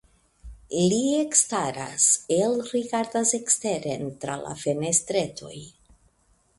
Li ekstaras, elrigardas eksteren tra la fenestretoj.